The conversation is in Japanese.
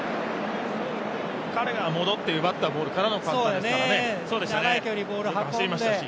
彼が戻って奪ったボールからでしたからね。